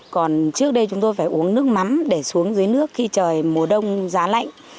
còn trước đây chúng tôi phải uống nước mắm để xuống dưới nước khi trời mùa đông giá lạnh